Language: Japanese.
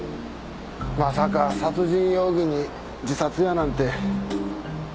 まさか殺人容疑に自殺やなんて。